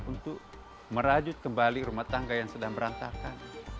untuk merajut kembali rumah tangga yang sedang berantakan